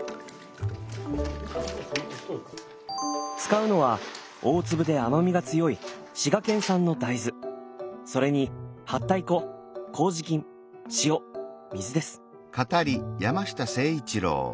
使うのは大粒で甘みが強い滋賀県産の大豆それにはったい粉麹菌塩水です。